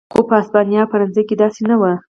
خو په هسپانیا او فرانسه کې داسې نه و.